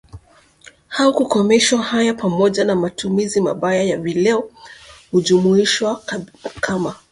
au kukomeshwa Haya pamoja na matumizi mabaya ya vileo hujumuishwa kama